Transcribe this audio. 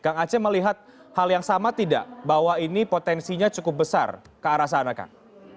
kang aceh melihat hal yang sama tidak bahwa ini potensinya cukup besar ke arah sana kang